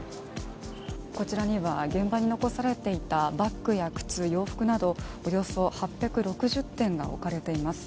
こちらには現場に残されていたバッグや靴洋服などおよそ８６０点が置かれています。